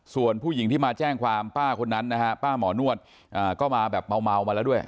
ส่วนผู้หญิงที่มาแจ้งความป้าคนนั้นนะฮะป้าหมอนวดก็มาแบบเมามาแล้วด้วย